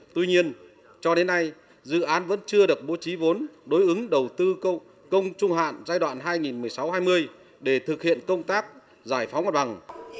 tuy nhiên cho đến nay dự án vẫn chưa được bố trí vốn đối ứng đầu tư công trung hạn giai đoạn hai nghìn một mươi sáu hai mươi để thực hiện công tác giải phóng hoạt bằng